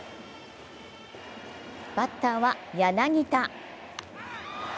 バッターは柳田。